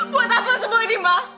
buat apa semua ini mbak